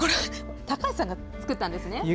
高橋さんが作ったんですね。